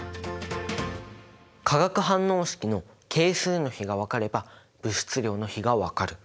化学反応式の係数の比が分かれば物質量の比が分かる。